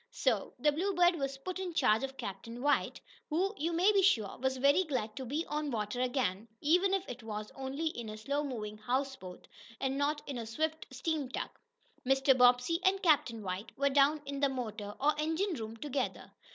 So the Bluebird was put in charge of Captain White, who, you may be sure, was very glad to be on the water again, even if it was only in a slow moving houseboat, and not in a swift steam tug. Mr. Bobbsey and Captain White were down in the motor, or engine room together.